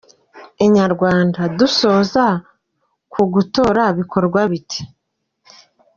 InyaRwanda: Dusoza, ku gutora bikorwa bite?.